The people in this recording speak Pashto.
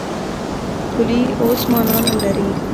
پولې اوس مانا نه لري.